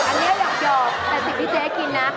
อันนี้นี่สิ่งที่เจ๊กินน่ะ